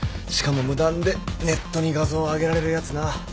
しかも無断でネットに画像を上げられるやつな。